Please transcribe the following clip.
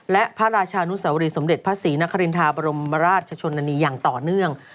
และพระราชานุสวรีสมเด็จพระศรีนครินทราบรมราชชนนานีอย่างต่อเนื่อง